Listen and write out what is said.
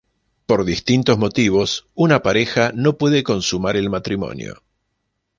Por distintos motivos una pareja no puede consumar el matrimonio.